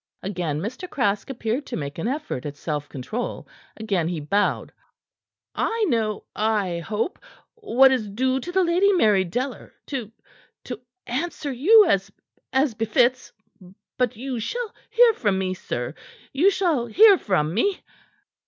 Again Mr. Craske appeared to make an effort at self control; again he bowed. "I know I hope what is due to the Lady Mary Deller, to to answer you as as befits. But you shall hear from me, sir. You shall hear from me."